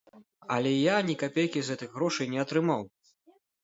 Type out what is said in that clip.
Але я ні капейкі з гэтых грошай не атрымаў!